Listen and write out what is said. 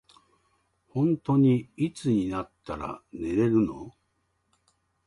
ほんとにいつになったら寝れるの。